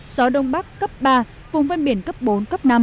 gió đông bắc cấp ba vùng ven biển cấp bốn cấp năm